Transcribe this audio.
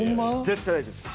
絶対大丈夫です。